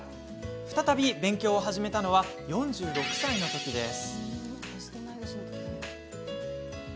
再び勉強を始めたのは４６歳のときです。